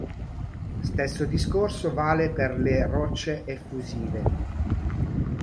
Stesso discorso vale per le rocce effusive.